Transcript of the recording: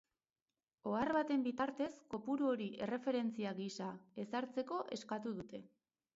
Ohar baten bitartez, kopuru hori erreferentzia gisa ezartzeko eskatu dute.